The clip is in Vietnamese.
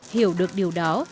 hiểu được điều đó